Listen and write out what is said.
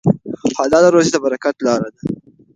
حلاله روزي د برکت لاره ده.